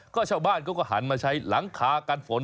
ก็ชาวบ้านเขาก็หันมาใช้หลังคากันฝน